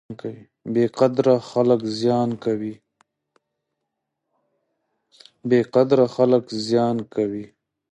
بې قدره خلک زیان کوي.